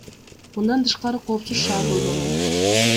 Мындан тышкары, Коопсуз шаар долбоору.